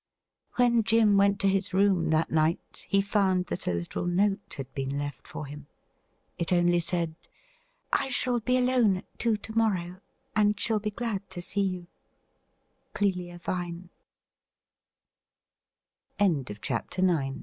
When Jim went to his room that night, he found that a little note had been left for him. It only said :' I shall be alone at two to morrow, and shall be glad to se